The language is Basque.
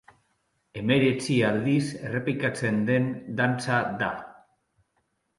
Hemeretzi aldiz errepikatzen den dantza da.